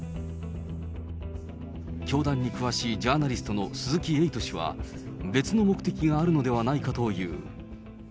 教団に詳しいジャーナリストの鈴木エイト氏は、別の目的があるのではないかという。